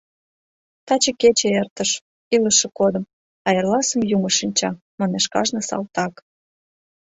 «Таче кече эртыш, илыше кодым, а эрласым юмо шинча», — манеш кажне салтак.